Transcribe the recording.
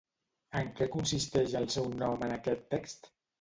En què consisteix el seu nom en aquest text?